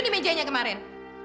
di mejanya kemarin